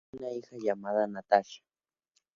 Tienen una hija llamada Natasha.